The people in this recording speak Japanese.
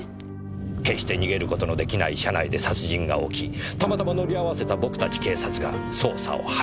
決して逃げる事の出来ない車内で殺人が起きたまたま乗り合わせた僕たち警察が捜査を始める。